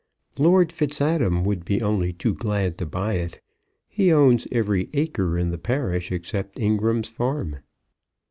"Lord Fitzadam would be only too glad to buy it. He owns every acre in the parish except Ingram's farm."